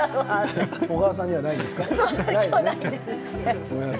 小川さんにはないんですね。